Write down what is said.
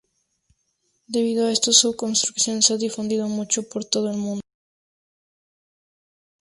Debido a esto su construcción se ha difundido mucho por todo el mundo.